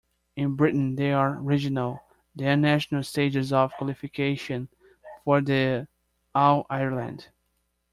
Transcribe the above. In Britain there are regional, then national stages of qualification for the All-Ireland.